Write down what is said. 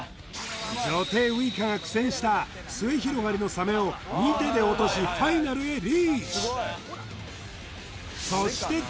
女帝ウイカが苦戦した末広がりのサメを二手で落としファイナルヘリーチ！